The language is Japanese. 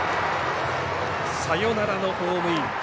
サヨナラのホームイン。